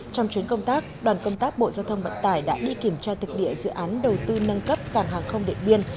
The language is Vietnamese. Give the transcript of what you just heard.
trong chuyến công tác đoàn công tác bộ giao thông vận tải đã đi kiểm tra thực địa dự án đầu tư nâng cấp cảng hàng không điện biên